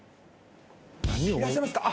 いらっしゃいますか？